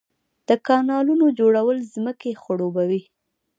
د کانالونو جوړول ځمکې خړوبوي